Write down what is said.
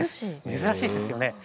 珍しいですよね。